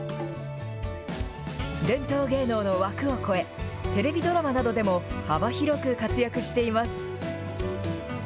伝統芸能の枠を超え、テレビドラマなどでも幅広く活躍しています。